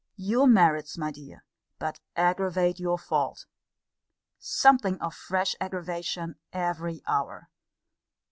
Your merits, my dear, but aggravate your fault. Something of fresh aggravation every hour.